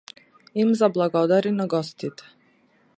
Им заблагодари на гостите.